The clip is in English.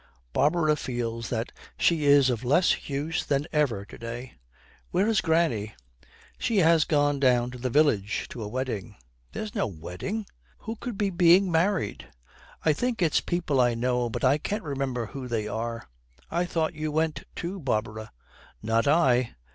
Barbara feels that she is of less use than ever to day. 'Where is granny?' 'She has gone down to the village to a wedding.' 'There's no wedding. Who could be being married?' 'I think it's people I know, but I can't remember who they are. I thought you went too, Barbara.' 'Not I.